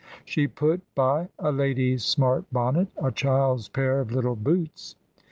She put by a lady's smart bonnet, a child's pair of little boots.